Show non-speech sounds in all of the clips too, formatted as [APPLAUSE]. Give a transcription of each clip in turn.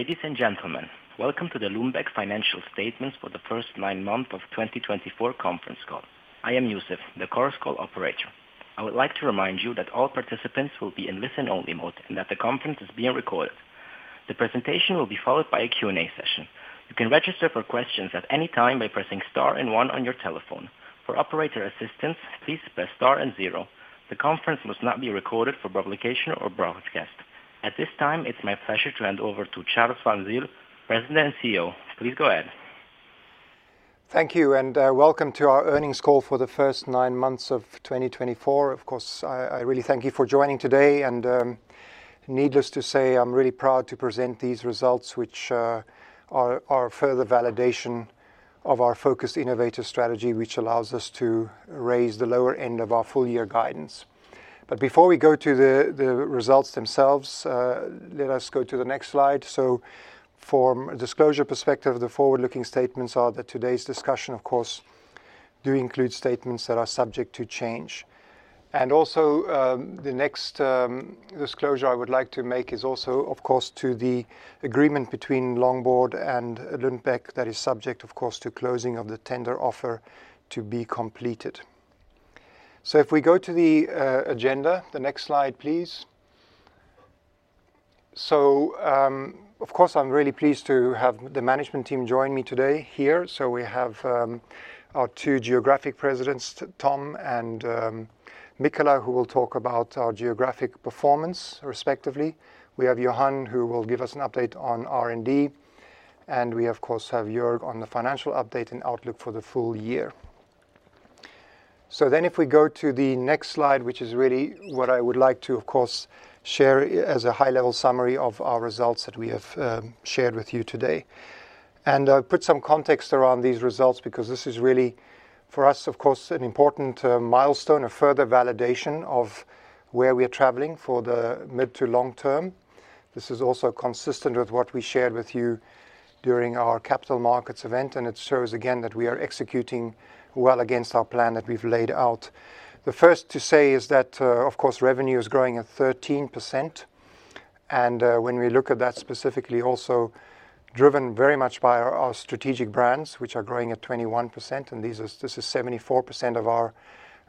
Ladies and gentlemen, welcome to the Lundbeck Financial Statements for the First Nine Months of 2024 Conference Call. I am Yusuf, the conference call operator. I would like to remind you that all participants will be in listen-only mode and that the conference is being recorded. The presentation will be followed by a Q&A session. You can register for questions at any time by pressing star and one on your telephone. For operator assistance, please press star and zero. The conference must not be recorded for publication or broadcast. At this time, it's my pleasure to hand over to Charl van Zyl, President and CEO. Please go ahead. Thank you, and welcome to our earnings call for the first nine months of 2024. Of course, I really thank you for joining today, and needless to say, I'm really proud to present these results, which are further validation of our focused innovator strategy, which allows us to raise the lower end of our full-year guidance. But before we go to the results themselves, let us go to the next slide. So, from a disclosure perspective, the forward-looking statements are that today's discussion, of course, do include statements that are subject to change. And also, the next disclosure I would like to make is also, of course, to the agreement between Longboard and Lundbeck that is subject, of course, to closing of the tender offer to be completed. So, if we go to the agenda, the next slide, please. So, of course, I'm really pleased to have the management team join me today here. So, we have our two geographic presidents, Tom and Michala, who will talk about our geographic performance, respectively. We have Johan, who will give us an update on R&D, and we, of course, have Joerg on the financial update and outlook for the full year. So then, if we go to the next slide, which is really what I would like to, of course, share as a high-level summary of our results that we have shared with you today. And I'll put some context around these results because this is really, for us, of course, an important milestone, a further validation of where we are traveling for the mid to long term. This is also consistent with what we shared with you during our capital markets event, and it shows, again, that we are executing well against our plan that we've laid out. The first thing to say is that, of course, revenue is growing at 13%, and when we look at that specifically, also driven very much by our strategic brands, which are growing at 21%, and this is 74% of our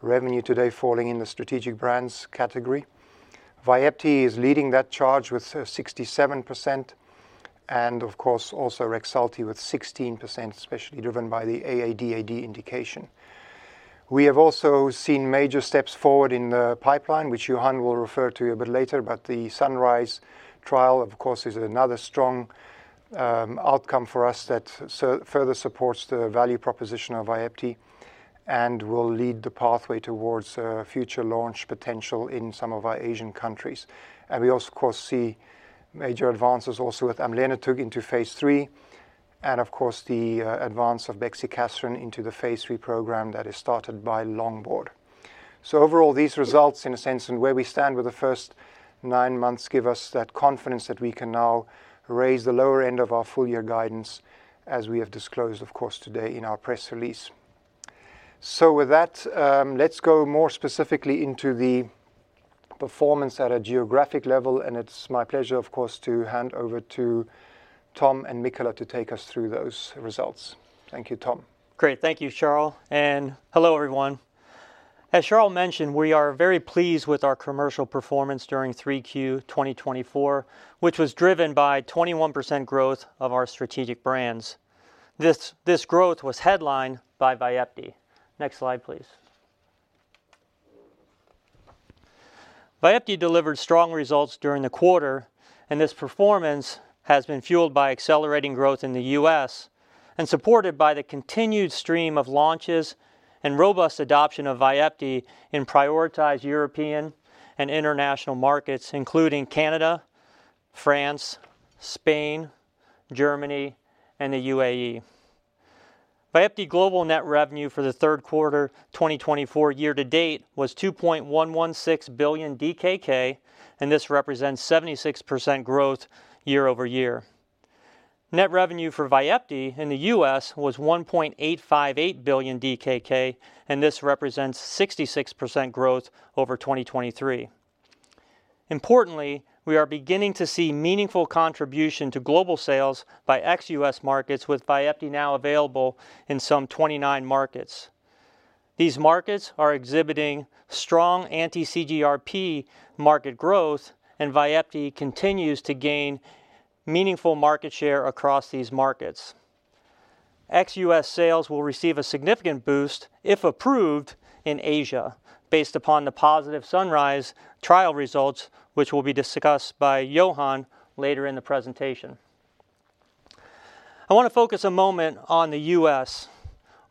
revenue today falling in the strategic brands category. Vyepti is leading that charge with 67%, and of course, also Rexulti with 16%, especially driven by the AADAD indication. We have also seen major steps forward in the pipeline, which Johan will refer to a bit later, but the SUNRISE trial, of course, is another strong outcome for us that further supports the value proposition of Vyepti and will lead the pathway towards future launch potential in some of our Asian countries, and we also, of course, see major advances also with Amilnertug into phase three, and of course, the advance of Bexicaserin into the phase three program that is started by Longboard, so overall, these results, in a sense, and where we stand with the first nine months give us that confidence that we can now raise the lower end of our full-year guidance, as we have disclosed, of course, today in our press release. So, with that, let's go more specifically into the performance at a geographic level, and it's my pleasure, of course, to hand over to Tom and Michala to take us through those results. Thank you, Tom. Great, thank you, Charl. And hello, everyone. As Charl mentioned, we are very pleased with our commercial performance during 3Q 2024, which was driven by 21% growth of our strategic brands. This growth was headlined by Vyepti. Next slide, please. Vyepti delivered strong results during the quarter, and this performance has been fueled by accelerating growth in the U.S. and supported by the continued stream of launches and robust adoption of Vyepti in prioritized European and international markets, including Canada, France, Spain, Germany, and the UAE. Vyepti's global net revenue for the third quarter 2024 year to date was 2.116 billion DKK, and this represents 76% growth year over year. Net revenue for Vyepti in the U.S. was 1.858 billion DKK, and this represents 66% growth over 2023. Importantly, we are beginning to see meaningful contribution to global sales by ex-U.S. markets, with Vyepti now available in some 29 markets. These markets are exhibiting strong anti-CGRP market growth, and Vyepti continues to gain meaningful market share across these markets. Ex-U.S. sales will receive a significant boost, if approved, in Asia, based upon the positive SUNRISE trial results, which will be discussed by Johan later in the presentation. I want to focus a moment on the U.S.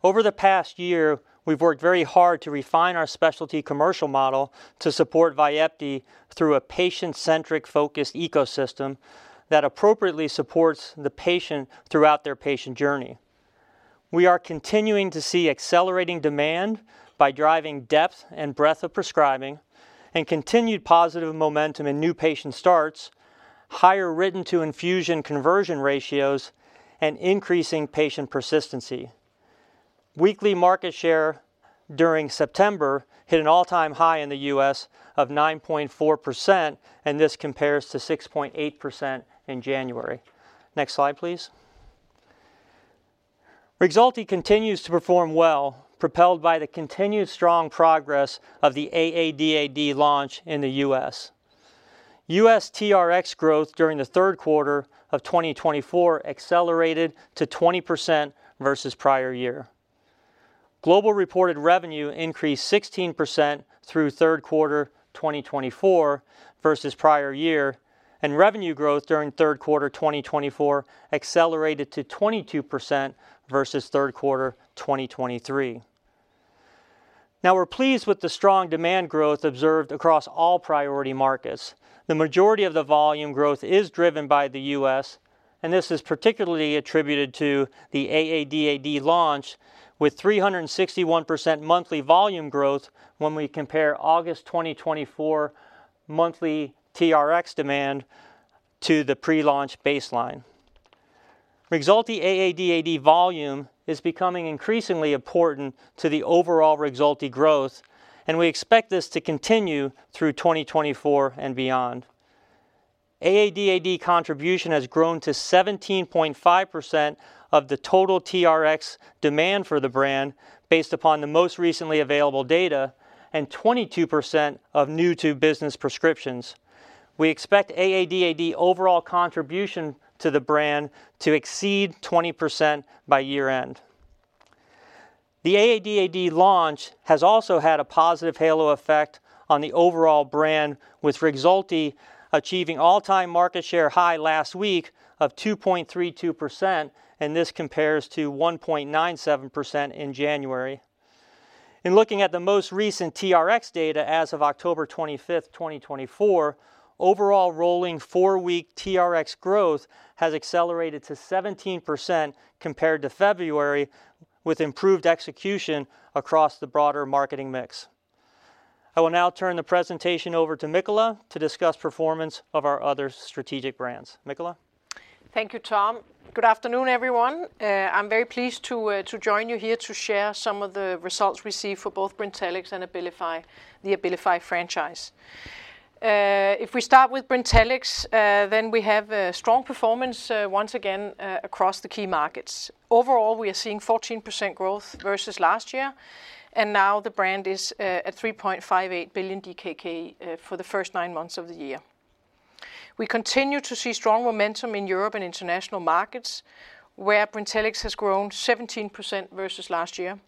Over the past year, we've worked very hard to refine our specialty commercial model to support Vyepti through a patient-centric focused ecosystem that appropriately supports the patient throughout their patient journey. We are continuing to see accelerating demand by driving depth and breadth of prescribing, and continued positive momentum in new patient starts, higher written-to-infusion conversion ratios, and increasing patient persistency. Weekly market share during September hit an all-time high in the U.S. of 9.4%, and this compares to 6.8% in January. Next slide, please. Rexulti continues to perform well, propelled by the continued strong progress of the AADAD launch in the U.S. U.S. TRx growth during the third quarter of 2024 accelerated to 20% versus prior year. Global reported revenue increased 16% through third quarter 2024 versus prior year, and revenue growth during third quarter 2024 accelerated to 22% versus third quarter 2023. Now, we're pleased with the strong demand growth observed across all priority markets. The majority of the volume growth is driven by the U.S., and this is particularly attributed to the AADAD launch, with 361% monthly volume growth when we compare August 2024 monthly TRx demand to the pre-launch baseline. Rexulti AADAD volume is becoming increasingly important to the overall Rexulti growth, and we expect this to continue through 2024 and beyond. AADAD contribution has grown to 17.5% of the total TRx demand for the brand, based upon the most recently available data, and 22% of new-to-business prescriptions. We expect AADAD overall contribution to the brand to exceed 20% by year-end. The AADAD launch has also had a positive halo effect on the overall brand, with Rexulti achieving all-time market share high last week of 2.32%, and this compares to 1.97% in January. In looking at the most recent TRx data as of October 25, 2024, overall rolling four-week TRx growth has accelerated to 17% compared to February, with improved execution across the broader marketing mix. I will now turn the presentation over to Michala to discuss performance of our other strategic brands. Michala? Thank you, Tom. Good afternoon, everyone. I'm very pleased to join you here to share some of the results we see for both Brintellix and Abilify, the Abilify franchise. If we start with Brintellix, then we have a strong performance once again across the key markets. Overall, we are seeing 14% growth versus last year, and now the brand is at 3.58 billion DKK for the first nine months of the year. We continue to see strong momentum in Europe and international markets, where Brintellix has grown 17% versus last year.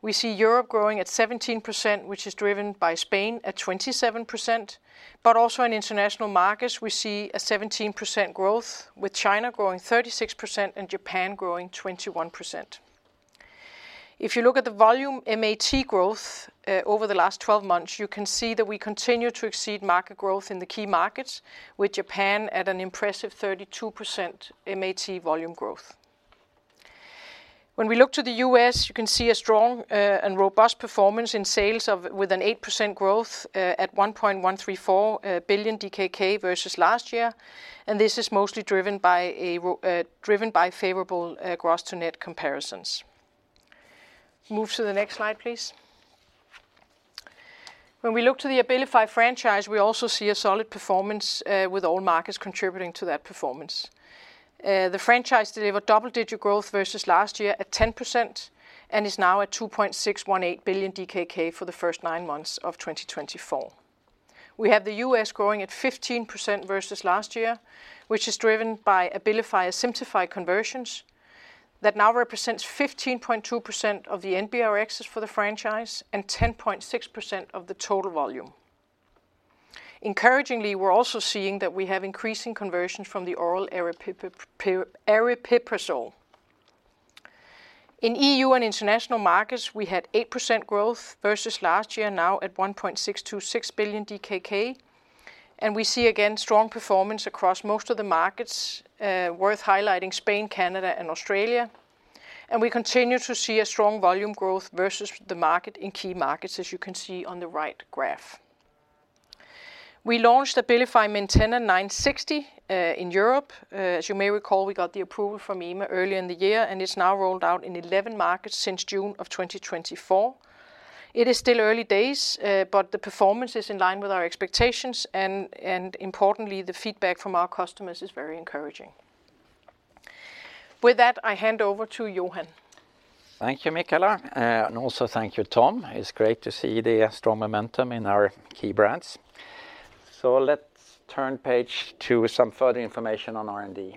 We see Europe growing at 17%, which is driven by Spain at 27%, but also in international markets, we see a 17% growth, with China growing 36% and Japan growing 21%. If you look at the volume MAT growth over the last 12 months, you can see that we continue to exceed market growth in the key markets, with Japan at an impressive 32% MAT volume growth. When we look to the U.S., you can see a strong and robust performance in sales, with an 8% growth at 1.134 billion DKK versus last year, and this is mostly driven by favorable gross-to-net comparisons. Move to the next slide, please. When we look to the Abilify franchise, we also see a solid performance, with all markets contributing to that performance. The franchise delivered double-digit growth versus last year at 10% and is now at 2.618 billion DKK for the first nine months of 2024. We have the U.S. Growing at 15% versus last year, which is driven by Abilify's Asimtufii conversions that now represent 15.2% of the NBRx for the franchise and 10.6% of the total volume. Encouragingly, we're also seeing that we have increasing conversions from the oral aripiprazole. In EU and international markets, we had 8% growth versus last year, now at 1.626 billion DKK, and we see again strong performance across most of the markets, worth highlighting Spain, Canada, and Australia, and we continue to see a strong volume growth versus the market in key markets, as you can see on the right graph. We launched Abilify Maintena 960 in Europe. As you may recall, we got the approval from EMA earlier in the year, and it's now rolled out in 11 markets since June of 2024. It is still early days, but the performance is in line with our expectations, and importantly, the feedback from our customers is very encouraging. With that, I hand over to Johan. Thank you, Michala, and also thank you, Tom. It's great to see the strong momentum in our key brands. So let's turn the page to some further information on R&D.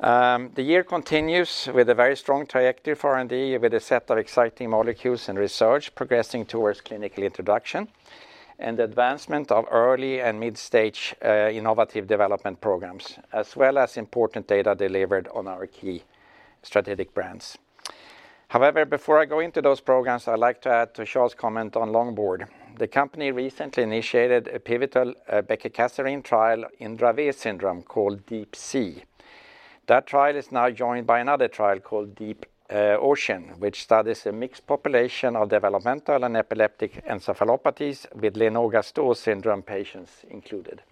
The year continues with a very strong trajectory for R&D, with a set of exciting molecules and research progressing towards clinical introduction and advancement of early and mid-stage innovative development programs, as well as important data delivered on our key strategic brands. However, before I go into those programs, I'd like to add to Charles' comment on Longboard. The company recently initiated a pivotal Bexicaserin trial in Dravet syndrome called DEEPSEA. That trial is now joined by another trial called DEEPOCEAN, which studies a mixed population of developmental and epileptic encephalopathies with Lennox-Gastaut syndrome patients included.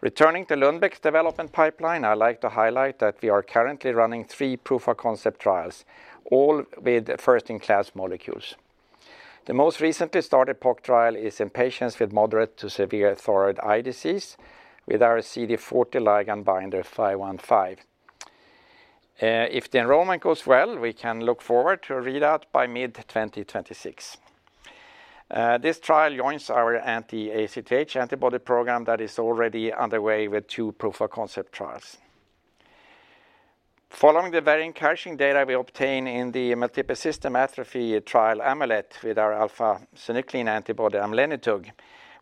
Returning to Lundbeck's development pipeline, I'd like to highlight that we are currently running three proof-of-concept trials, all with first-in-class molecules. The most recently started POC trial is in patients with moderate to severe thyroid eye disease with our CD40 ligand binder 515. If the enrollment goes well, we can look forward to a readout by mid-2026. This trial joins our anti-ACTH antibody program that is already underway with two proof-of-concept trials. Following the very encouraging data we obtained in the multiple system atrophy trial AMULET with our alpha-synuclein antibody Amilnertug,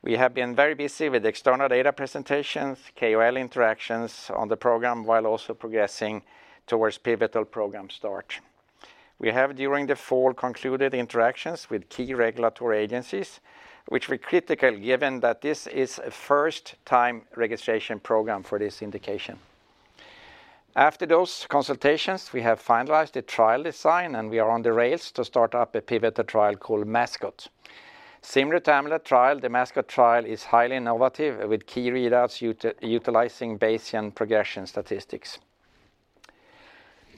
we have been very busy with external data presentations, KOL interactions on the program, while also progressing towards pivotal program start. We have, during the fall, concluded interactions with key regulatory agencies, which were critical given that this is a first-time registration program for this indication. After those consultations, we have finalized the trial design, and we are on the rails to start up a pivotal trial called MASCOT. Similar to AMULET trial, the MASCOT trial is highly innovative, with key readouts utilizing Bayesian progression statistics.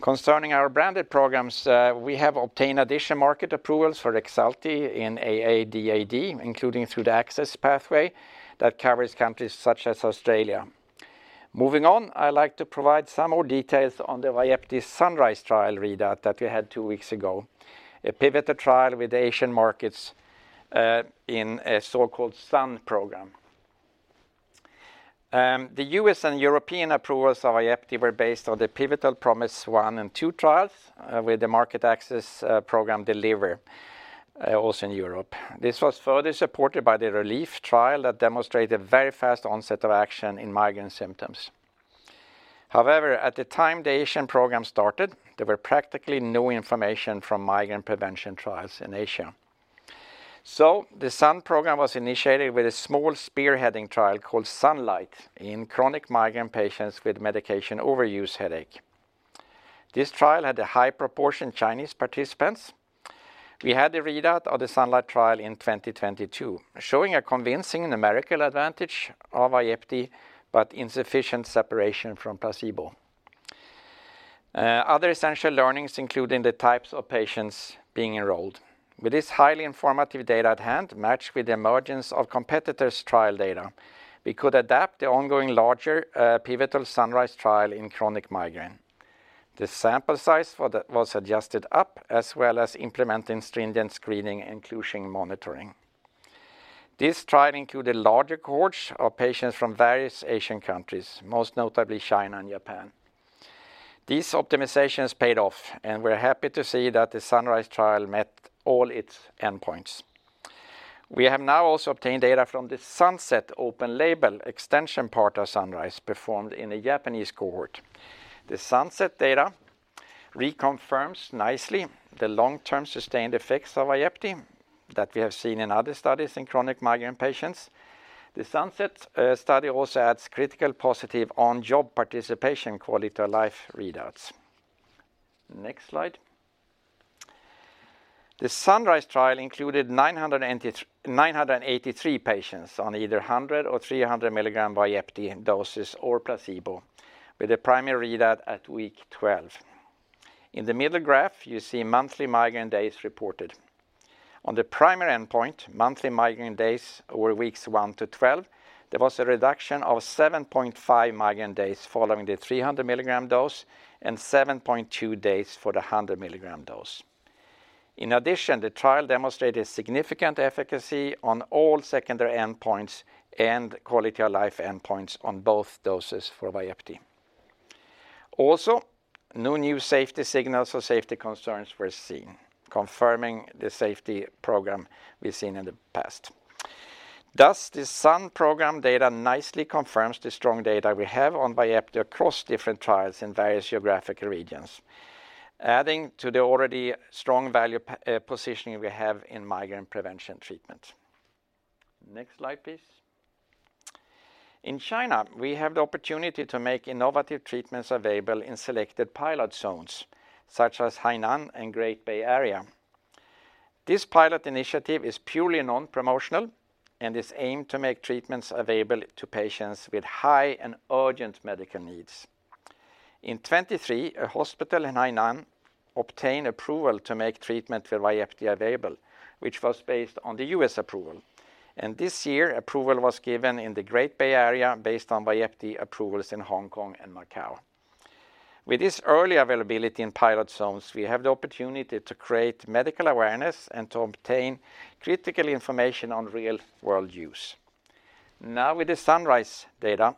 Concerning our branded programs, we have obtained additional market approvals for Rexulti in AADAD, including through the access pathway that covers countries such as Australia. Moving on, I'd like to provide some more details on the Vyepti SUNRISE trial readout that we had two weeks ago, a pivotal trial with Asian markets in a so-called SUN program. The U.S. and European approvals of Vyepti were based on the pivotal PROMISE 1 and PROMISE 2 trials with the market access program DELIVER, also in Europe. This was further supported by the RELIEF trial that demonstrated a very fast onset of action in migraine symptoms. However, at the time the Asian program started, there was practically no information from migraine prevention trials in Asia. The SUN program was initiated with a small spearheading trial called SUNLIGHT in chronic migraine patients with medication overuse headache. This trial had a high proportion of Chinese participants. We had the readout of the SUNLIGHT trial in 2022, showing a convincing numerical advantage of Vyepti but insufficient separation from placebo. Other essential learnings included the types of patients being enrolled. With this highly informative data at hand, matched with the emergence of competitors' trial data, we could adapt the ongoing larger pivotal SUNRISE trial in chronic migraine. The sample size was adjusted up, as well as implementing stringent screening and close monitoring. This trial included larger cohorts of patients from various Asian countries, most notably China and Japan. These optimizations paid off, and we're happy to see that the SUNRISE trial met all its endpoints. We have now also obtained data from the SUNSET open-label extension part of SUNRISE performed in a Japanese cohort. The SUNSET data reconfirms nicely the long-term sustained effects of Vyepti that we have seen in other studies in chronic migraine patients. The SUNSET study also adds critical positive on-job participation quality-of-life readouts. Next slide. The SUNRISE trial included 983 patients on either 100 or 300 milligram Vyepti doses or placebo, with a primary readout at week 12. In the middle graph, you see monthly migraine days reported. On the primary endpoint, monthly migraine days over weeks 1 to 12, there was a reduction of 7.5 migraine days following the 300 milligram dose and 7.2 days for the 100 milligram dose. In addition, the trial demonstrated significant efficacy on all secondary endpoints and quality-of-life endpoints on both doses for Vyepti. Also, no new safety signals or safety concerns were seen, confirming the safety program we've seen in the past. Thus, the SUN program data nicely confirms the strong data we have on Vyepti across different trials in various geographical regions, adding to the already strong value positioning we have in migraine prevention treatment. Next slide, please. In China, we have the opportunity to make innovative treatments available in selected pilot zones, such as Hainan and Great Bay Area. This pilot initiative is purely non-promotional and is aimed to make treatments available to patients with high and urgent medical needs. In 2023, a hospital in Hainan obtained approval to make treatment for Vyepti available, which was based on the U.S. approval. This year, approval was given in the Great Bay Area based on Vyepti approvals in Hong Kong and Macau. With this early availability in pilot zones, we have the opportunity to create medical awareness and to obtain critical information on real-world use. Now, with the SUNRISE data,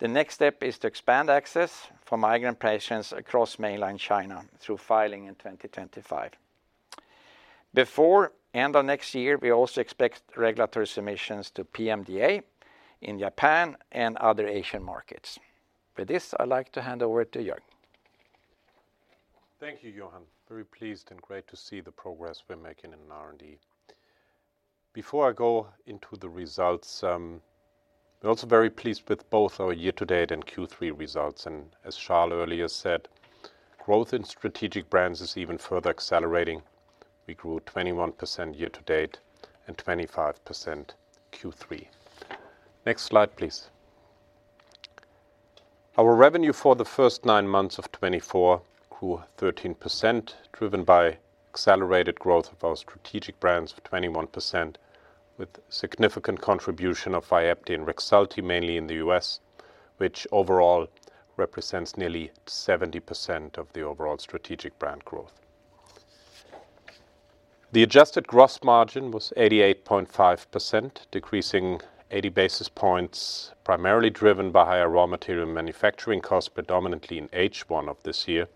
the next step is to expand access for migraine patients across mainland China through filing in 2025. Before the end of next year, we also expect regulatory submissions to PMDA in Japan and other Asian markets. With this, I'd like to hand over to Joerg. Thank you, Johan. Very pleased and great to see the progress we're making in R&D. Before I go into the results, we're also very pleased with both our year-to-date and Q3 results. And as Charles earlier said, growth in strategic brands is even further accelerating. We grew 21% year-to-date and 25% Q3. Next slide, please. Our revenue for the first nine months of 2024 grew 13%, driven by accelerated growth of our strategic brands of 21%, with significant contribution of Vyepti and Rexulti, mainly in the U.S., which overall represents nearly 70% of the overall strategic brand growth. The adjusted gross margin was 88.5%, decreasing 80 basis points, primarily driven by higher raw material manufacturing costs, predominantly in H1 of this year,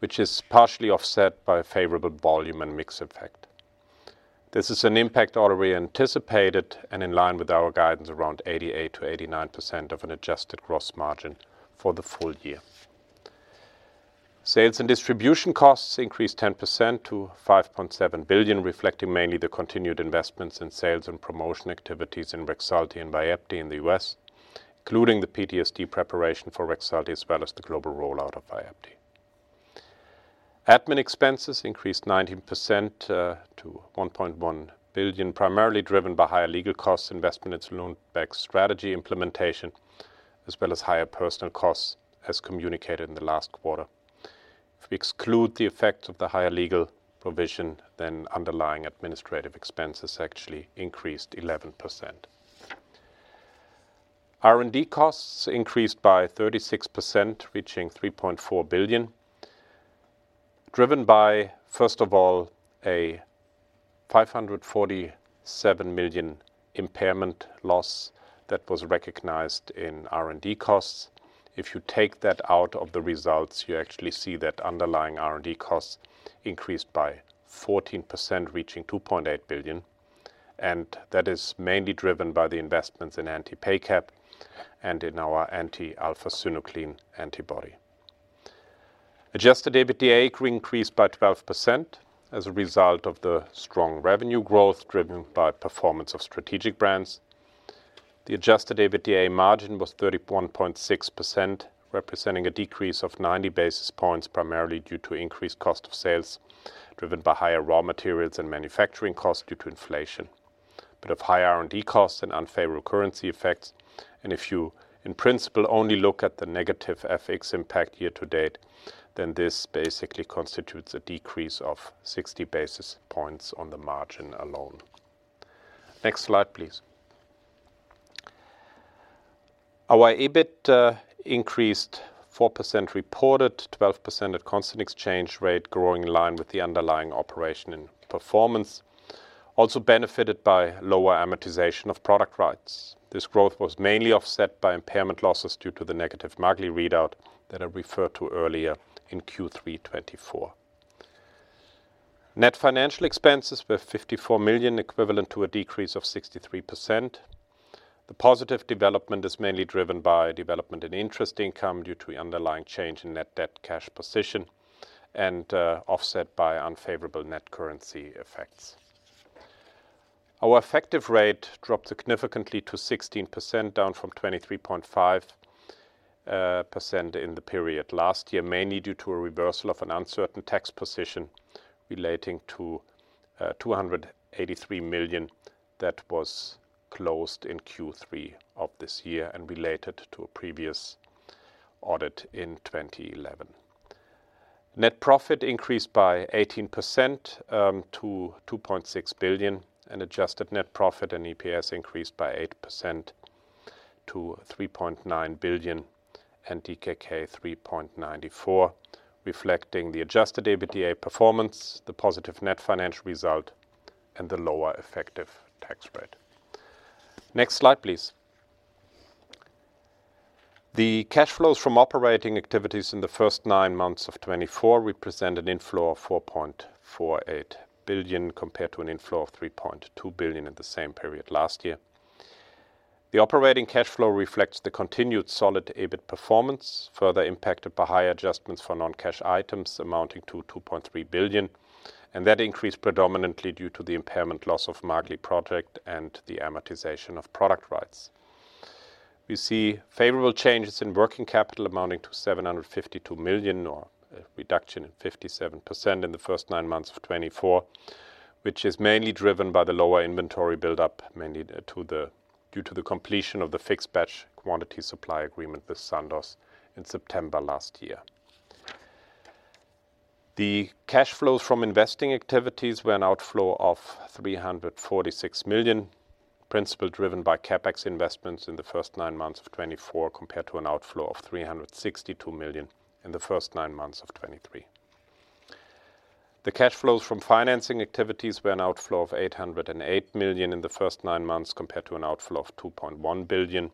which is partially offset by a favorable volume and mix effect. This is an impact already anticipated and in line with our guidance around 88% to 89% of an adjusted gross margin for the full year. Sales and distribution costs increased 10% to 5.7 billion, reflecting mainly the continued investments in sales and promotion activities in Rexulti and Vyepti in the U.S., including the PTSD preparation for Rexulti, as well as the global rollout of Vyepti. Admin expenses increased 19% to 1.1 billion, primarily driven by higher legal costs, investment in Lundbeck's strategy implementation, as well as higher personal costs, as communicated in the last quarter. If we exclude the effects of the higher legal provision, then underlying administrative expenses actually increased 11%. R&D costs increased by 36%, reaching 3.4 billion, driven by, first of all, a 547 million impairment loss that was recognized in R&D costs. If you take that out of the results, you actually see that underlying R&D costs increased by 14%, reaching 2.8 billion, and that is mainly driven by the investments in anti-PACAP and in our anti-alpha-synuclein antibody. Adjusted EBITDA increased by 12% as a result of the strong revenue growth driven by performance of strategic brands. The adjusted EBITDA margin was 31.6%, representing a decrease of 90 basis points, primarily due to increased cost of sales, driven by higher raw materials and manufacturing costs due to inflation, but of high R&D costs and unfavorable currency effects, and if you, in principle, only look at the negative FX impact year-to-date, then this basically constitutes a decrease of 60 basis points on the margin alone. Next slide, please. Our EBIT increased 4% reported, 12% at constant exchange rate, growing in line with the underlying operation and performance, also benefited by lower amortization of product rights. This growth was mainly offset by impairment losses due to the negative MAGLi readout that I referred to earlier in Q3 2024. Net financial expenses were 54 million, equivalent to a decrease of 63%. The positive development is mainly driven by development in interest income due to the underlying change in net debt cash position and offset by unfavorable net currency effects. Our effective rate dropped significantly to 16%, down from 23.5% in the period last year, mainly due to a reversal of an uncertain tax position relating to 283 million that was closed in Q3 of this year and related to a previous audit in 2011. Net profit increased by 18% to 2.6 billion, and adjusted net profit and EPS increased by 8% to 3.9 billion and DKK 3.94, reflecting the adjusted EBITDA performance, the positive net financial result, and the lower effective tax rate. Next slide, please. The cash flows from operating activities in the first nine months of 2024 represent an inflow of 4.48 billion compared to an inflow of 3.2 billion in the same period last year. The operating cash flow reflects the continued solid EBIT performance, further impacted by higher adjustments for non-cash items amounting to 2.3 billion, and that increased predominantly due to the impairment loss of MAGLi project and the amortization of product rights. We see favorable changes in working capital amounting to 752 million, or a reduction in 57% in the first nine months of 2024, which is mainly driven by the lower inventory buildup, mainly due to the completion of the fixed batch quantity supply agreement with Sandoz in September last year. The cash flows from investing activities were an outflow of 346 million, primarily driven by CapEx investments in the first nine months of 2024, compared to an outflow of 362 million in the first nine months of 2023. The cash flows from financing activities were an outflow of 808 million in the first nine months, compared to an outflow of 2.1 billion,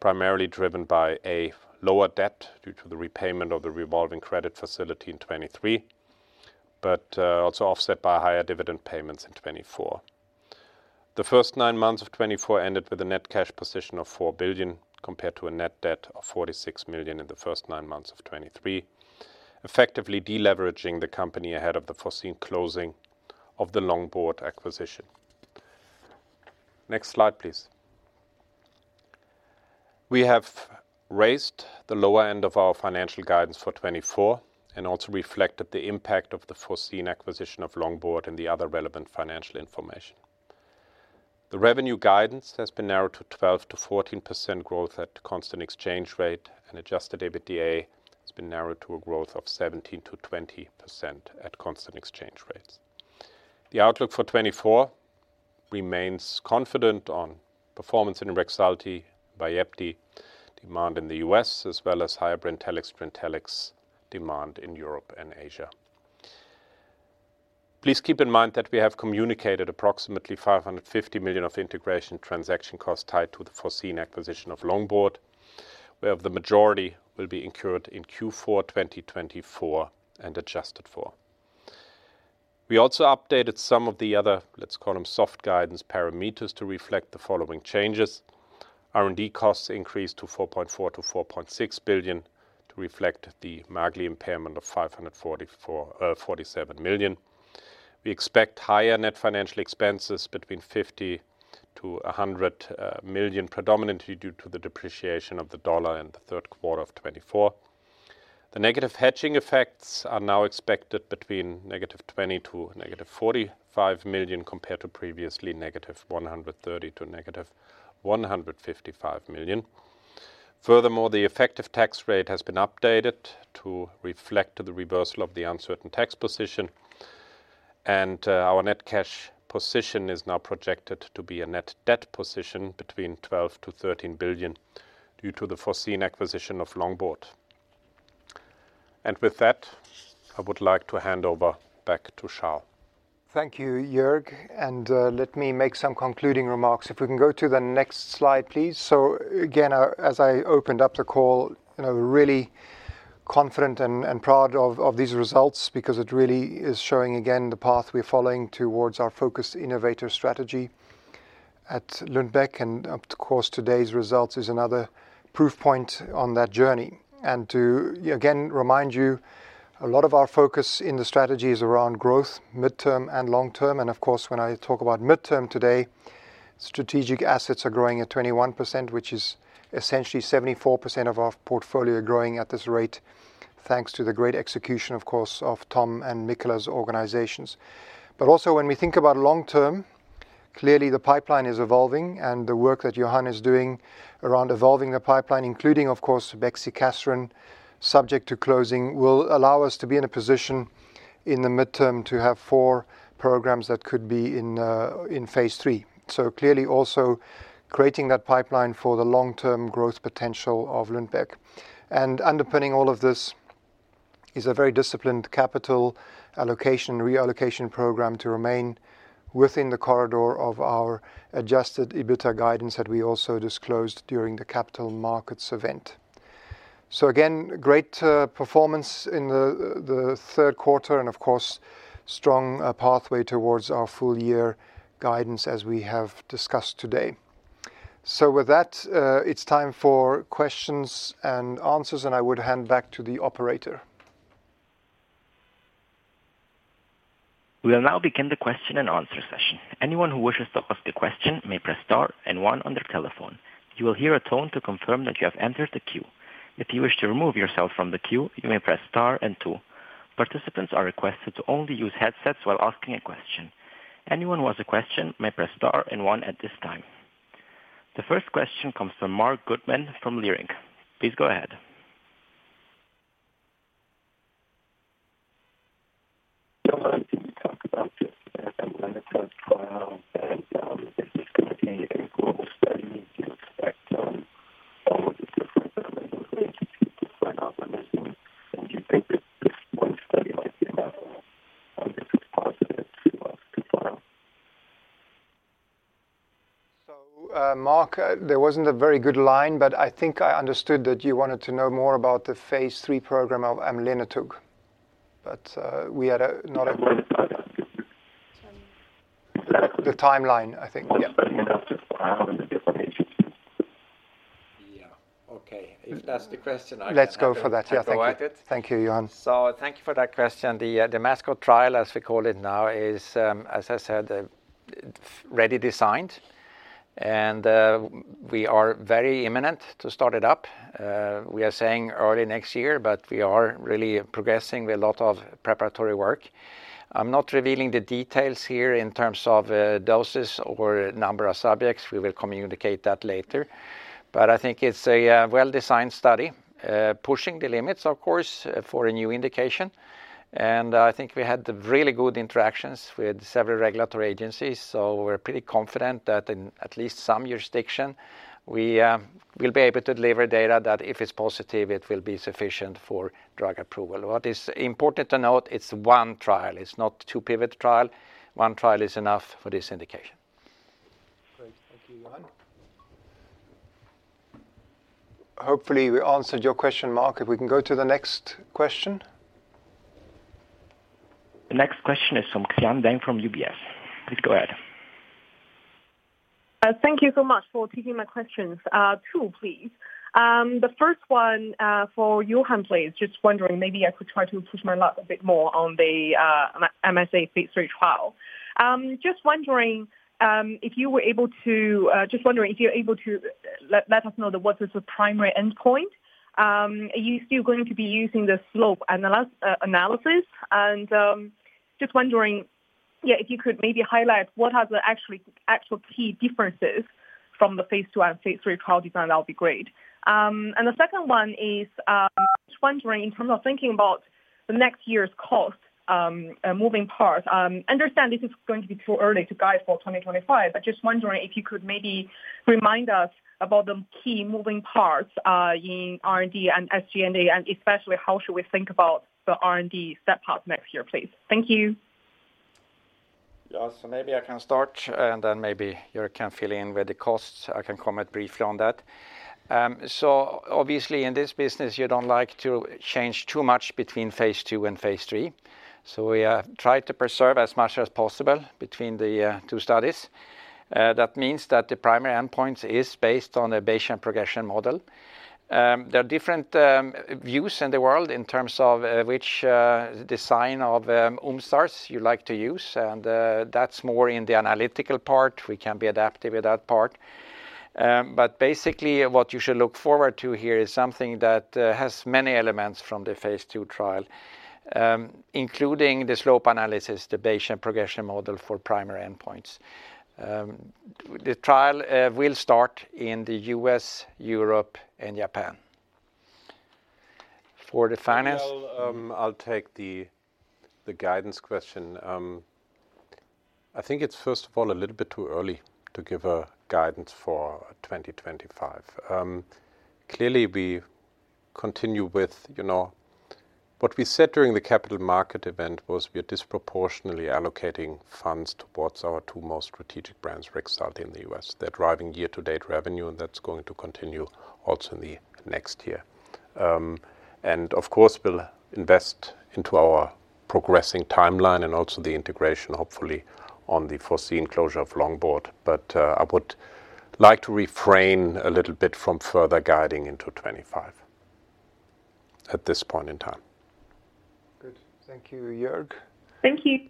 primarily driven by a lower debt due to the repayment of the revolving credit facility in 2023, but also offset by higher dividend payments in 2024. The first nine months of 2024 ended with a net cash position of 4 billion, compared to a net debt of 46 million in the first nine months of 2023, effectively deleveraging the company ahead of the foreseen closing of the Longboard acquisition. Next slide, please. We have raised the lower end of our financial guidance for 2024 and also reflected the impact of the foreseen acquisition of Longboard and the other relevant financial information. The revenue guidance has been narrowed to 12%-4% growth at constant exchange rate, and adjusted EBITDA has been narrowed to a growth of 17%-20% at constant exchange rates. The outlook for 2024 remains confident on performance in Rexulti, Vyepti, demand in the U.S., as well as higher Brintellix/Brintellix demand in Europe and Asia. Please keep in mind that we have communicated approximately 550 million of integration transaction costs tied to the foreseen acquisition of Longboard, where the majority will be incurred in Q4 2024 and adjusted for. We also updated some of the other, let's call them soft guidance parameters, to reflect the following changes. R&D costs increased to 4.4-4.6 billion to reflect the MAGLi impairment of 547 million. We expect higher net financial expenses between 50-100 million, predominantly due to the depreciation of the dollar in the third quarter of 2024. The negative hedging effects are now expected between negative 20-45 million, compared to previously negative 130-155 million. Furthermore, the effective tax rate has been updated to reflect the reversal of the uncertain tax position, and our net cash position is now projected to be a net debt position between 12-13 billion due to the foreseen acquisition of Longboard. And with that, I would like to hand over back to Charles. Thank you, Joerg, and let me make some concluding remarks. If we can go to the next slide, please. So again, as I opened up the call, I'm really confident and proud of these results because it really is showing again the path we're following towards our focused innovator strategy at Lundbeck. And of course, today's results is another proof point on that journey. And to again remind you, a lot of our focus in the strategy is around growth, midterm and long term. And of course, when I talk about midterm today, strategic assets are growing at 21%, which is essentially 74% of our portfolio growing at this rate, thanks to the great execution, of course, of Tom and Michala's organizations. But also, when we think about long-term, clearly the pipeline is evolving, and the work that Johan is doing around evolving the pipeline, including, of course, Bexicaserin, subject to closing, will allow us to be in a position in the midterm to have four programs that could be in phase three. So clearly also creating that pipeline for the long-term growth potential of Lundbeck. And underpinning all of this is a very disciplined capital allocation and reallocation program to remain within the corridor of our adjusted EBITDA guidance that we also disclosed during the capital markets event. So again, great performance in the third quarter and, of course, strong pathway towards our full-year guidance, as we have discussed today. So with that, it's time for questions and answers, and I would hand back to the operator. We will now begin the question and answer session. Anyone who wishes to ask a question may press star and one on their telephone. You will hear a tone to confirm that you have entered the queue. If you wish to remove yourself from the queue, you may press star and two. Participants are requested to only use headsets while asking a question. Anyone who has a question may press star and one at this time. The first question comes from Marc Goodman from Leerink. Please go ahead. [AUDIO DISTORTION] Marc, there wasn't a very good line, but I think I understood that you wanted to know more about the phase three program of Amilnertug, but we had not a great timeline, I think. [AUDIO DISTORTION] Yeah. Okay. If that's the question, I can. I like it. Yeah, thank you. Let's go for that. Thank you, Johan. So thank you for that question. The Damasco trial, as we call it now, is, as I said, ready designed, and we are very imminent to start it up. We are saying early next year, but we are really progressing with a lot of preparatory work. I'm not revealing the details here in terms of doses or number of subjects. We will communicate that later. But I think it's a well-designed study, pushing the limits, of course, for a new indication. And I think we had really good interactions with several regulatory agencies, so we're pretty confident that in at least some jurisdiction, we will be able to deliver data that if it's positive, it will be sufficient for drug approval. What is important to note, it's one trial. It's not a two-pivotal trial. One trial is enough for this indication. Great. Thank you, Johan. Hopefully, we answered your question, Marc. If we can go to the next question. The next question is from Xian Deng from UBS. Please go ahead. Thank you so much for taking my questions. Two, please. The first one for Johan, please. Just wondering, maybe I could try to push my luck a bit more on the MSA phase three trial. Just wondering if you were able to, just wondering if you're able to let us know what was the primary endpoint. Are you still going to be using the slope analysis? And just wondering, yeah, if you could maybe highlight what are the actual key differences from the phase two and phase three trial design, that would be great. The second one is just wondering, in terms of thinking about the next year's cost moving part. I understand this is going to be too early to guide for 2025, but just wondering if you could maybe remind us about the key moving parts in R&D and SG&A, and especially how should we think about the R&D step path next year, please? Thank you. Yeah, so maybe I can start, and then maybe Joerg can fill in with the costs. I can comment briefly on that. So obviously, in this business, you don't like to change too much between phase two and phase three. So we try to preserve as much as possible between the two studies. That means that the primary endpoint is based on a Bayesian progression model. There are different views in the world in terms of which design of OMSARs you like to use, and that's more in the analytical part. We can be adaptive with that part. But basically, what you should look forward to here is something that has many elements from the phase two trial, including the slope analysis, the Bayesian progression model for primary endpoints. The trial will start in the U.S., Europe, and Japan. For the finance. I'll take the guidance question. I think it's, first of all, a little bit too early to give a guidance for 2025. Clearly, we continue with what we said during the capital market event was we are disproportionately allocating funds towards our two most strategic brands, Rexulti and Vyepti. They're driving year-to-date revenue, and that's going to continue also in the next year. And of course, we'll invest into our progressing timeline and also the integration, hopefully, on the foreseen closure of Longboard. But I would like to refrain a little bit from further guiding into 2025 at this point in time. Good. Thank you, Joerg. Thank you.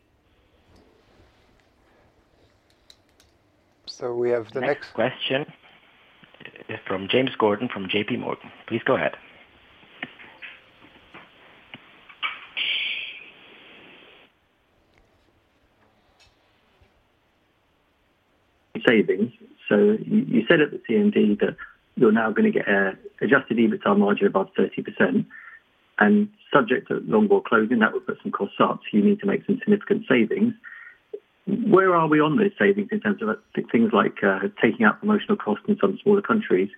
So we have the next. Next question is from James Gordon from J.P. Morgan. Please go ahead. Savings. So you said at the CMD that you're now going to get an adjusted EBITDA margin of about 30%, and subject to Longboard closing, that would put some costs up. So you need to make some significant savings. Where are we on those savings in terms of things like taking out promotional costs in some smaller countries?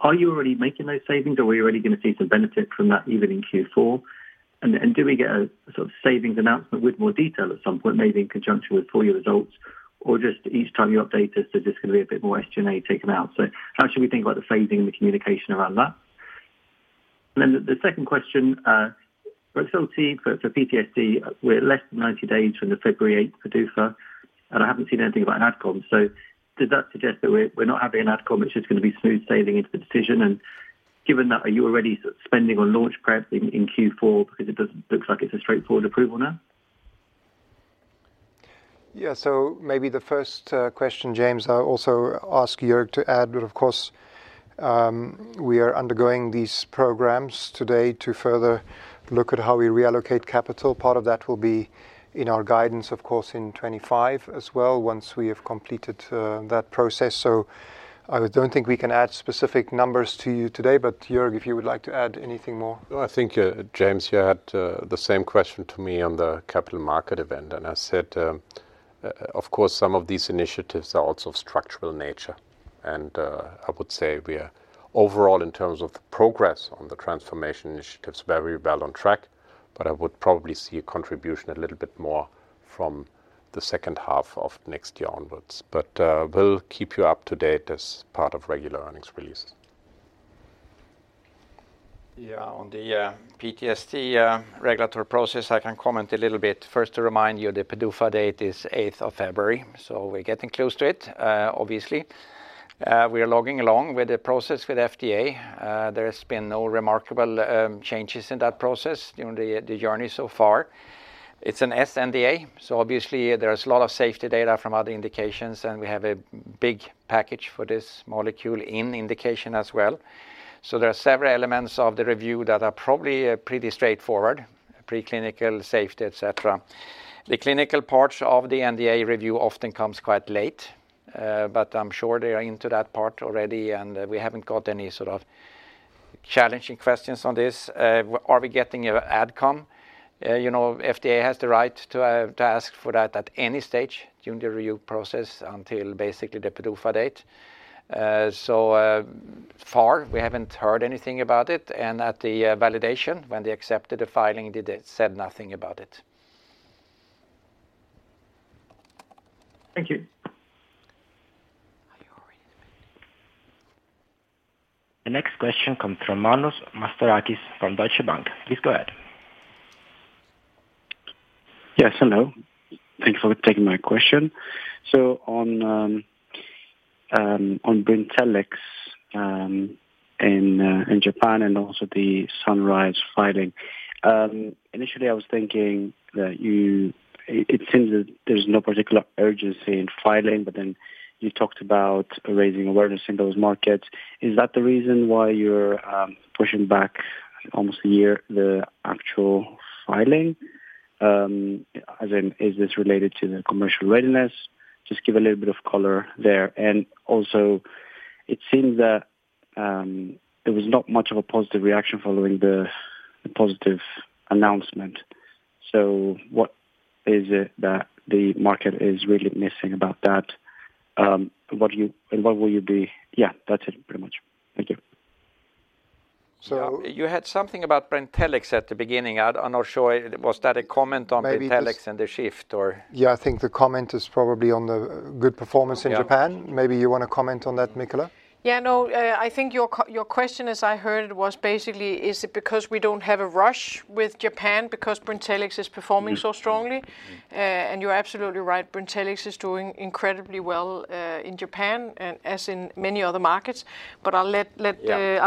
Are you already making those savings, or are we already going to see some benefit from that even in Q4? And do we get a sort of savings announcement with more detail at some point, maybe in conjunction with full-year results, or just each time you update us, there's just going to be a bit more SG&E taken out? So how should we think about the phasing and the communication around that? And then the second question, Rexulti for PTSD, we're less than 90 days from the February 8th PDUFA, and I haven't seen anything about an adcom. So does that suggest that we're not having an adcom? It's just going to be smooth sailing into the decision? And given that, are you already spending on launch prep in Q4 because it looks like it's a straightforward approval now? Yeah, so maybe the first question, James. I'll also ask Joerg to add that, of course, we are undergoing these programs today to further look at how we reallocate capital. Part of that will be in our guidance, of course, in 2025 as well, once we have completed that process. So I don't think we can add specific numbers to you today, but Joerg, if you would like to add anything more. I think, James, you had the same question to me on the capital market event, and I said, of course, some of these initiatives are also of structural nature, and I would say we are overall, in terms of progress on the transformation initiatives, very well on track, but I would probably see a contribution a little bit more from the second half of next year onwards, but we'll keep you up to date as part of regular earnings releases. Yeah, on the PTSD regulatory process, I can comment a little bit. First, to remind you, the PDUFA date is 8th of February, so we're getting close to it, obviously. We are plodding along with the process with FDA. There has been no remarkable changes in that process during the journey so far. It's an sNDA, so obviously, there is a lot of safety data from other indications, and we have a big package for this molecule in this indication as well. So there are several elements of the review that are probably pretty straightforward, preclinical safety, etc. The clinical parts of the NDA review often come quite late, but I'm sure they are into that part already, and we haven't got any sort of challenging questions on this. Are we getting an adcom? FDA has the right to ask for that at any stage during the review process until basically the PDUFA date. So far, we haven't heard anything about it, and at the validation, when they accepted the filing, they said nothing about it. Thank you. The next question comes from Emmanuel Papadakis from Deutsche Bank. Please go ahead. Yes, hello. Thanks for taking my question. So on Brintellix in Japan and also the SUNRISE filing, initially, I was thinking that it seems that there's no particular urgency in filing, but then you talked about raising awareness in those markets. Is that the reason why you're pushing back almost a year the actual filing? Is this related to the commercial readiness? Just give a little bit of color there. And also, it seems that there was not much of a positive reaction following the positive announcement. So what is it that the market is really missing about that? And what will you be? Yeah, that's it, pretty much. Thank you. So you had something about Brintellix at the beginning. I'm not sure. Was that a comment on Brintellix and the shift, or? Yeah, I think the comment is probably on the good performance in Japan. Maybe you want to comment on that, Michala? Yeah, no, I think your question, as I heard it, was basically, is it because we don't have a rush with Japan because Brintellix is performing so strongly? And you're absolutely right. Brintellix is doing incredibly well in Japan, as in many other markets. But I'll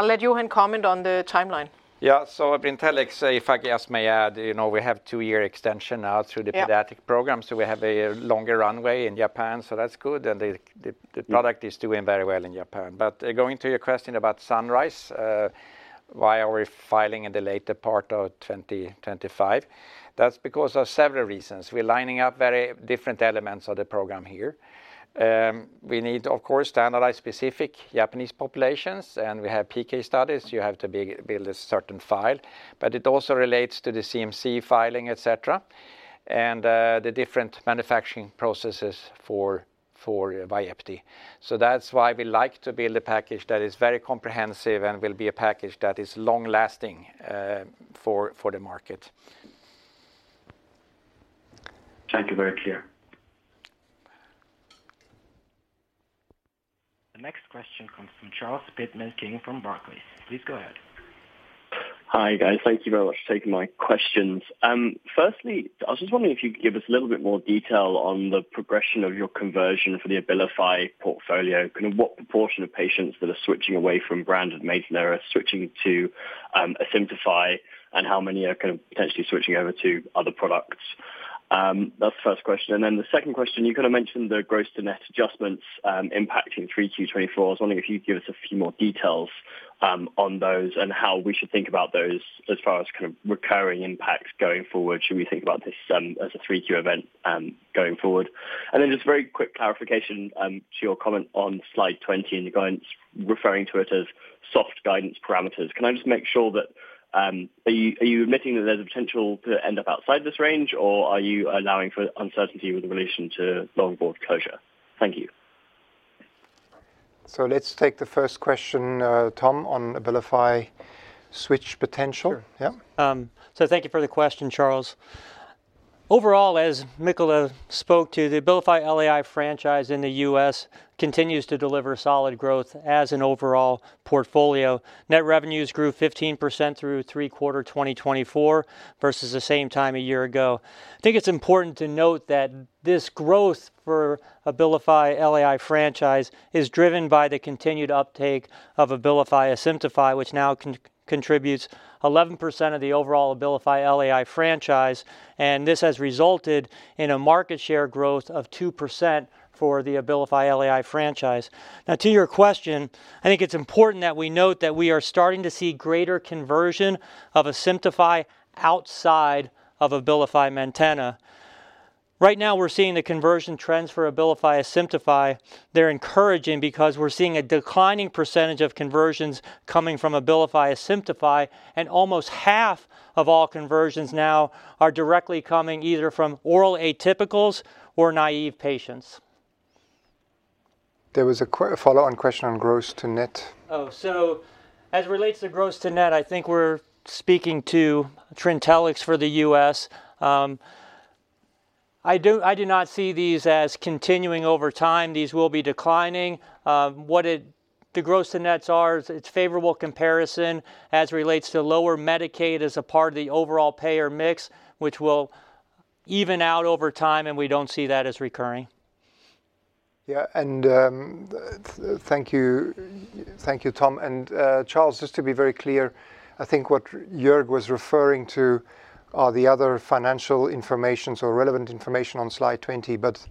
let Johan comment on the timeline. Yeah, so Brintellix, if I may add, we have a two-year extension now through the pediatric program, so we have a longer runway in Japan. So that's good, and the product is doing very well in Japan. But going to your question about Sunrise, why are we filing in the later part of 2025? That's because of several reasons. We're lining up very different elements of the program here. We need, of course, to analyze specific Japanese populations, and we have PK studies. You have to build a certain file, but it also relates to the CMC filing, etc., and the different manufacturing processes for Vyepti. So that's why we like to build a package that is very comprehensive and will be a package that is long-lasting for the market. Thank you. Very clear. The next question comes from Charles Pitman-King from Barclays. Please go ahead. Hi, guys. Thank you very much for taking my questions. Firstly, I was just wondering if you could give us a little bit more detail on the progression of your conversion for the Abilify portfolio. What proportion of patients that are switching away from branded Maintena are switching to Asimtufii, and how many are kind of potentially switching over to other products? That's the first question. And then the second question, you kind of mentioned the gross-to-net adjustments impacting 3Q 2024. I was wondering if you could give us a few more details on those and how we should think about those as far as kind of recurring impacts going forward. Should we think about this as a 3Q event going forward? And then just a very quick clarification to your comment on slide 20 in the guidance, referring to it as soft guidance parameters. Can I just make sure that you are admitting that there's a potential to end up outside this range, or are you allowing for uncertainty with relation to Longboard closure? Thank you. So let's take the first question, Tom, on Abilify switch potential. Yeah. Thank you for the question, Charles. Overall, as Michala spoke to, the Abilify LAI franchise in the U.S. continues to deliver solid growth as an overall portfolio. Net revenues grew 15% through Q3 2024 versus the same time a year ago. I think it's important to note that this growth for Abilify LAI franchise is driven by the continued uptake of Abilify Asimtufii, which now contributes 11% of the overall Abilify LAI franchise, and this has resulted in a market share growth of 2% for the Abilify LAI franchise. Now, to your question, I think it's important that we note that we are starting to see greater conversion of Asimtufii outside of Abilify Maintena. Right now, we're seeing the conversion trends for Abilify Asimtufii. They're encouraging because we're seeing a declining percentage of conversions coming from Abilify Asimtufii, and almost half of all conversions now are directly coming either from oral atypicals or naive patients. There was a follow-on question on gross-to-net. Oh, so as it relates to gross-to-net, I think we're speaking to Trintellix for the U.S. I do not see these as continuing over time. These will be declining. What the gross-to-nets are, it's a favorable comparison as it relates to lower Medicaid as a part of the overall payer mix, which will even out over time, and we don't see that as recurring. Yeah, and thank you, Tom. And Charles, just to be very clear, I think what Joerg was referring to are the other financial information or relevant information on slide 20, but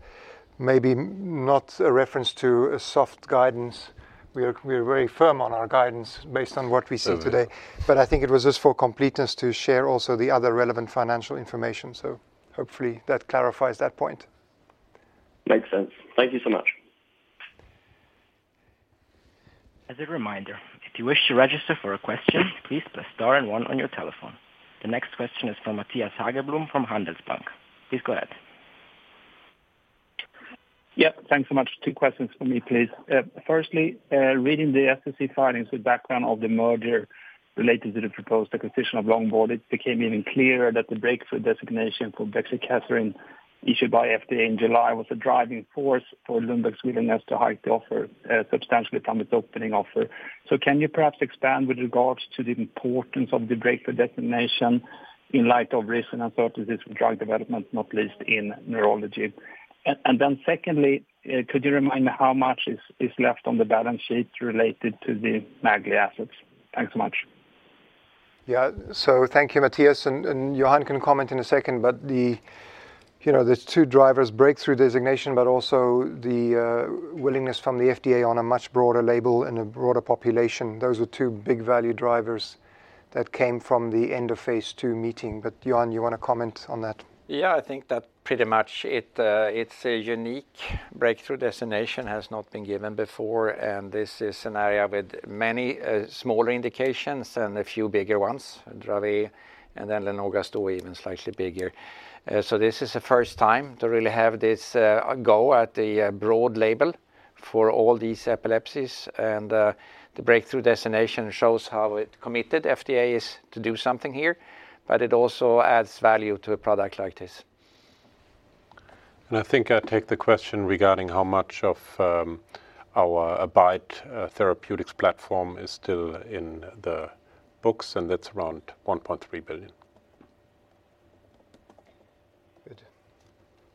maybe not a reference to a soft guidance. We are very firm on our guidance based on what we see today. But I think it was just for completeness to share also the other relevant financial information. So hopefully, that clarifies that point. Makes sense. Thank you so much. As a reminder, if you wish to register for a question, please press star and one on your telephone. The next question is from Mattias Häggblom from Handelsbanken. Please go ahead. Yeah, thanks so much. Two questions for me, please. Firstly, reading the SEC filings with background of the merger related to the proposed acquisition of Longboard, it became even clearer that the breakthrough designation for Bexicaserin issued by FDA in July was a driving force for Lundbeck's willingness to hike the offer substantially from its opening offer. So can you perhaps expand with regards to the importance of the breakthrough designation in light of recent uncertainties with drug development, not least in neurology? And then secondly, could you remind me how much is left on the balance sheet related to the MAGLi assets? Thanks so much. Yeah, so thank you, Matthias. And Johan can comment in a second, but there's two drivers: breakthrough designation, but also the willingness from the FDA on a much broader label and a broader population. Those were two big value drivers that came from the end of phase two meeting. But Johan, you want to comment on that? Yeah, I think that pretty much it's a unique breakthrough designation that has not been given before, and this is an area with many smaller indications and a few bigger ones, Dravet and then Lennox-Gastaut, even slightly bigger. So this is the first time to really have this go at the broad label for all these epilepsies, and the breakthrough designation shows how committed FDA is to do something here, but it also adds value to a product like this. I think I'll take the question regarding how much of our Abilify therapeutics platform is still in the books, and that's around 1.3 billion.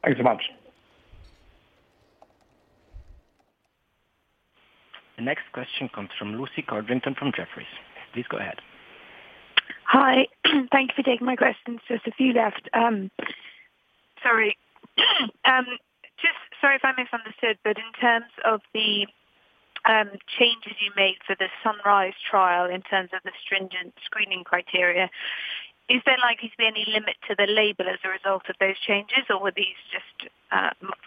Thank you so much. The next question comes from Lucy Codrington from Jefferies. Please go ahead. Hi, thank you for taking my questions. There's a few left. Sorry, just sorry if I misunderstood, but in terms of the changes you made for the Sunrise trial in terms of the stringent screening criteria, is there likely to be any limit to the label as a result of those changes, or were these just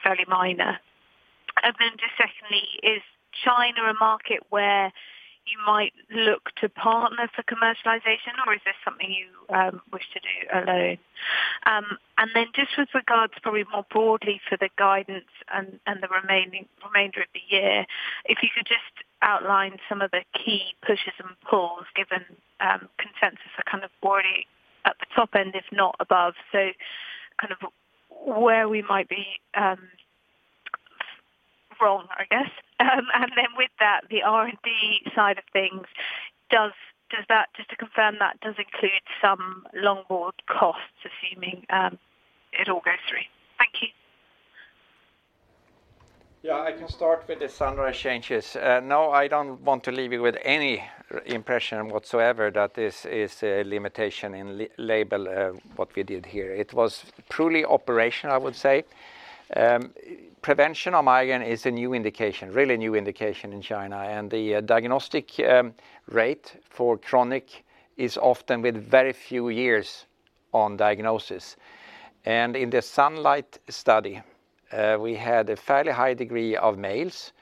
fairly minor? And then just secondly, is China a market where you might look to partner for commercialization, or is this something you wish to do alone? And then just with regards probably more broadly for the guidance and the remainder of the year, if you could just outline some of the key pushes and pulls given consensus are kind of already at the top end, if not above, so kind of where we might be wrong, I guess. And then with that, the R&D side of things, does that, just to confirm, that does include some Longboard costs, assuming it all goes through? Thank you. Yeah, I can start with the Sunrise changes. No, I don't want to leave you with any impression whatsoever that this is a limitation in label what we did here. It was truly operational, I would say. Prevention of migraine is a new indication, really a new indication in China, and the diagnostic rate for chronic is often with very few years on diagnosis. And in the Sunlight study, we had a fairly high degree of males,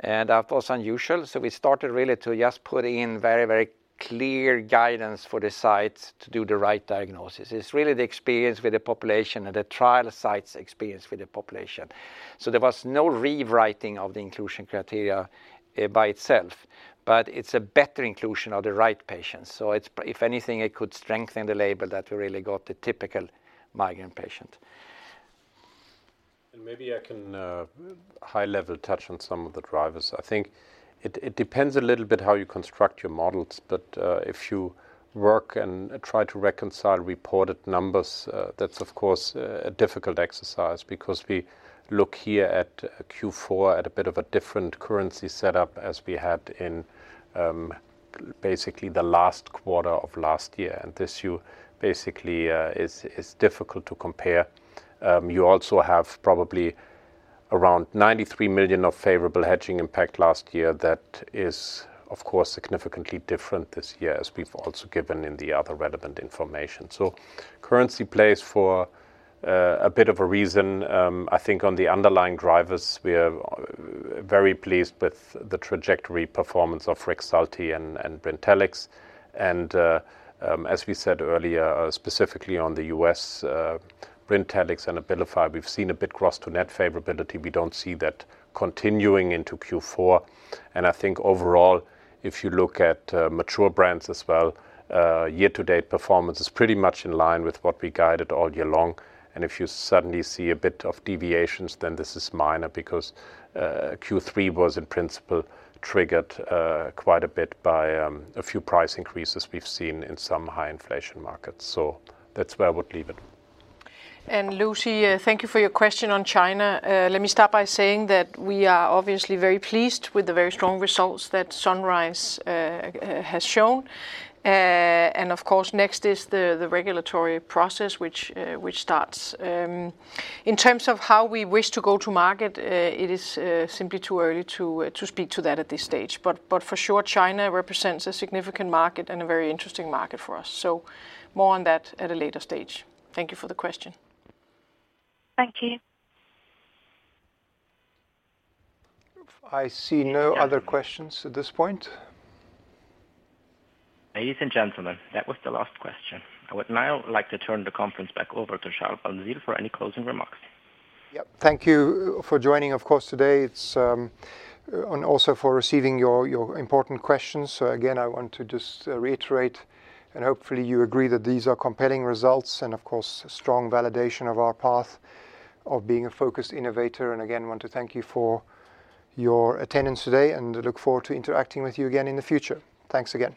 and that was unusual. So we started really to just put in very, very clear guidance for the sites to do the right diagnosis. It's really the experience with the population and the trial sites' experience with the population. So there was no rewriting of the inclusion criteria by itself, but it's a better inclusion of the right patients. If anything, it could strengthen the label that we really got the typical migraine patient. Maybe I can high-level touch on some of the drivers. I think it depends a little bit how you construct your models, but if you work and try to reconcile reported numbers, that's, of course, a difficult exercise because we look here at Q4 at a bit of a different currency setup as we had in basically the last quarter of last year, and this year basically is difficult to compare. You also have probably around 93 million of favorable hedging impact last year that is, of course, significantly different this year, as we've also given in the other relevant information. So currency plays for a bit of a reason. I think on the underlying drivers, we're very pleased with the trajectory performance of Rexulti and Brintellix. And as we said earlier, specifically on the U.S., Brintellix and Abilify, we've seen a bit gross-to-net favorability. We don't see that continuing into Q4. And I think overall, if you look at mature brands as well, year-to-date performance is pretty much in line with what we guided all year long. And if you suddenly see a bit of deviations, then this is minor because Q3 was in principle triggered quite a bit by a few price increases we've seen in some high-inflation markets. So that's where I would leave it. And Lucy, thank you for your question on China. Let me start by saying that we are obviously very pleased with the very strong results that SUNRISE has shown. And of course, next is the regulatory process, which starts. In terms of how we wish to go to market, it is simply too early to speak to that at this stage. But for sure, China represents a significant market and a very interesting market for us. So more on that at a later stage. Thank you for the question. Thank you. I see no other questions at this point. Ladies and gentlemen, that was the last question. I would now like to turn the conference back over to Charl van Zyl for any closing remarks. Yep, thank you for joining, of course, today, and also for receiving your important questions. So again, I want to just reiterate, and hopefully you agree that these are compelling results and, of course, strong validation of our path of being a focused innovator. And again, I want to thank you for your attendance today and look forward to interacting with you again in the future. Thanks again.